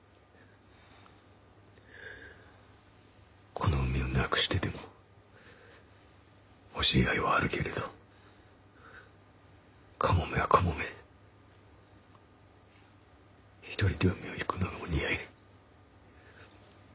「この海を失くしてでもほしい愛はあるけれどかもめはかもめひとりで海をゆくのがお似合い」。